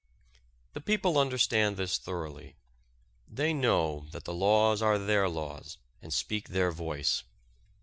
The people understand this thoroughly. They know that the laws are their laws and speak their voice.